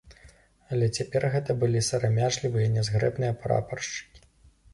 Але цяпер гэта былі сарамяжлівыя і нязграбныя прапаршчыкі.